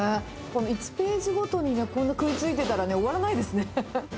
１ページごとにこんなに食いついてたら終わらないですね。